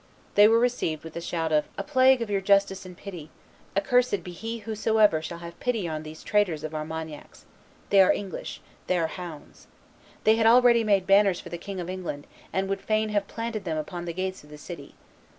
They were received with a stout of, "A plague of your justice and pity! Accursed be he whosoever shall have pity on these traitors of Armagnacs. They are English; they are hounds. They had already made banners for the King of England, and would fain have planted them upon the gates of the city.